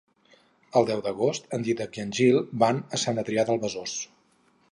El deu d'agost en Dídac i en Gil van a Sant Adrià de Besòs.